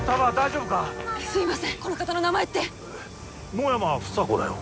野山房子だよ。